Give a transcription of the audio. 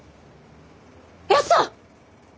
ヤサ！